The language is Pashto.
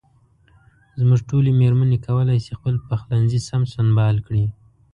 زموږ ټولې مېرمنې کولای شي خپل پخلنځي سم سنبال کړي.